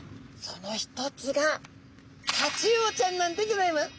その一つがタチウオちゃんなんでギョざいます！